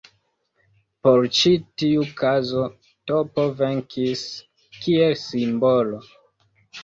Por ĉi tiu kazo tP venkis kiel simbolo.